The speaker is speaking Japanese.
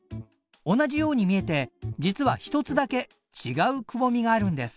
同じように見えて実は一つだけ違うくぼみがあるんです。